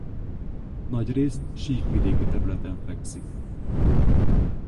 Nagyrészt síkvidéki területen fekszik.